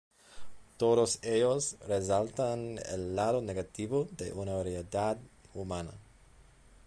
Todos ellos resaltan el lado negativo de una realidad humana.